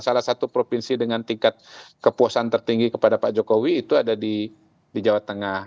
salah satu provinsi dengan tingkat kepuasan tertinggi kepada pak jokowi itu ada di jawa tengah